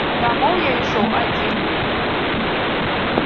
Дамоў я ішоў адзін.